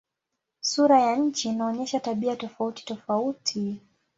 Sura ya nchi inaonyesha tabia tofautitofauti.